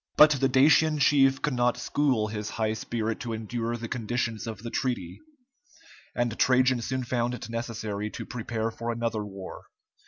But the Dacian chief could not school his high spirit to endure the conditions of the treaty, and Trajan soon found it necessary to prepare for another war.